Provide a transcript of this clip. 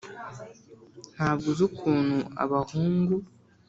ntabwo uzi ukuntu abahungu